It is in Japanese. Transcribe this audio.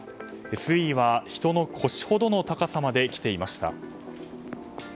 水位は人の腰ほどの高さまで来ていました。